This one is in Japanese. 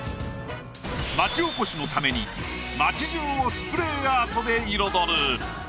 町おこしのために街じゅうをスプレーアートで彩る。